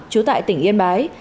chú tại tỉnh yên bái